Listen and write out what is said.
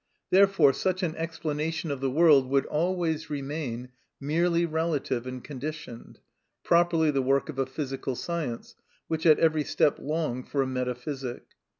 Therefore such an explanation of the world would always remain merely relative and conditioned, properly the work of a physical science, which at every step longed for a metaphysic.